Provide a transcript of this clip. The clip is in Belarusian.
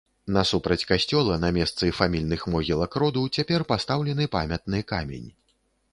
Насупраць касцёла на месцы фамільных могілак роду цяпер пастаўлены памятны камень.